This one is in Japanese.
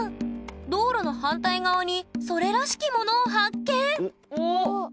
道路の反対側にそれらしきものを発見おっ！